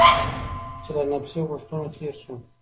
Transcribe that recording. چې له نفسي غوښتنو تېر شو.